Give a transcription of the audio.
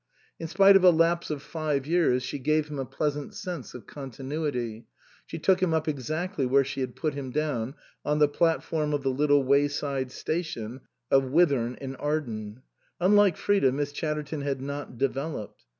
In spite of a lapse of five years she gave him a pleasant sense of continuity; she took him up exactly where she had put him down, on the platform of the little wayside station of Whit horn in Arden. Unlike Frida, Miss Chatterton had not developed.